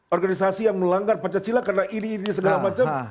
organisasi yang melanggar pancasila karena ini iri segala macam